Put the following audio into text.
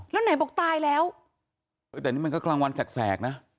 แล้วไหนบอกตายแล้วเออแต่นี่มันก็กลางวันแสกนะ